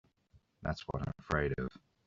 That's what I'm afraid of.